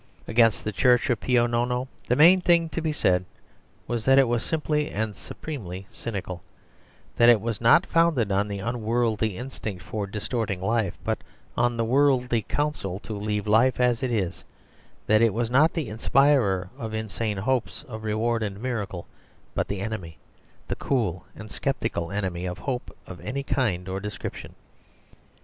Against the Church of Pio Nono the main thing to be said was that it was simply and supremely cynical; that it was not founded on the unworldly instinct for distorting life, but on the worldly counsel to leave life as it is; that it was not the inspirer of insane hopes, of reward and miracle, but the enemy, the cool and sceptical enemy, of hope of any kind or description.